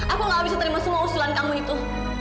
aku gak bisa terima semua usulan kamu itu